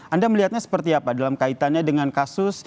anda melihatnya seperti apa dalam kaitannya dengan kasus